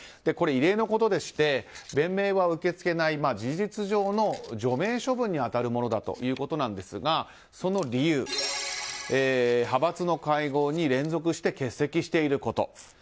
これ、異例のことでして弁明は受け付けない事実上の除名処分に当たるものだということですがその理由、派閥の会合に連続して欠席していること。